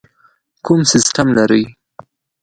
کوم سیسټم لرئ؟